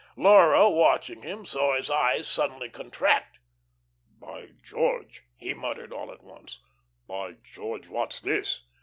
Laura, watching him, saw his eyes suddenly contract. "By George," he muttered, all at once, "by George, what's this?"